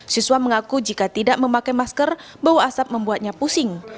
siswa mengaku jika tidak memakai masker bau asap membuatnya pusing